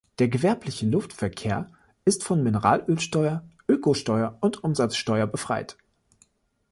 Der gewerbliche Luftverkehr ist von Mineralölsteuer, Ökosteuer und Umsatzsteuer befreit.